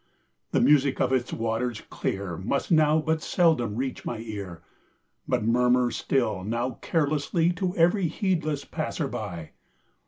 The music of its waters clearMust now but seldom reach my ear, But murmur still now carelesslyTo every heedless passer by.